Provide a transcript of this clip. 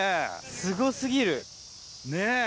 すごすぎる。ねぇ。